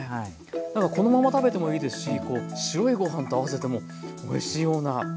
なんかこのまま食べてもいいですし白いご飯と合わせてもおいしいような１品ですね。